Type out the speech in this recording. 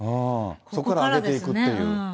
そこから上げていくという。